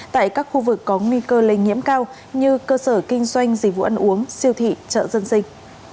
tại các khu vực có nguy cơ lây nhiễm cao như cơ sở kinh doanh dịch vụ ăn uống siêu thị chợ dân sinh